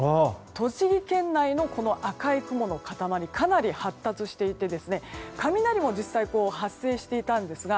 栃木県内の赤い雲の塊かなり発達していて雷も実際に発生していたんですが